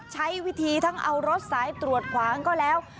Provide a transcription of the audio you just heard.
ใช้วิธีทั้งเอารถสายตรวจขวางก็แล้ว